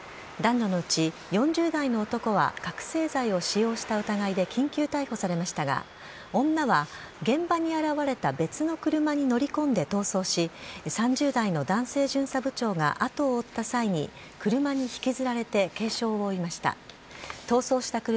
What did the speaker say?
男女のうち４０代の男は覚醒剤を使用した疑いで緊急逮捕されましたが、女は現場に現れた別の車に乗り込んで逃走し、３０代の男性巡査部長があとを追った際に、車に引きずられて軽傷を負いました。